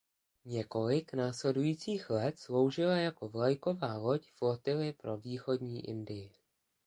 Několik následujících let sloužila jako vlajková loď flotily pro východní Indii.